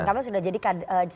di tuan kamil